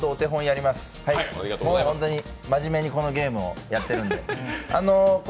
僕はもう真面目にこのゲームをやってるんで。